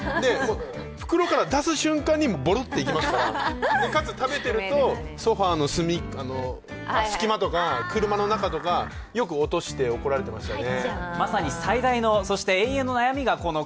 袋から出す瞬間にもボロッといきますから、かつ食べていると、ソファーの隙間とか車の中とかよく落として怒られてましたね。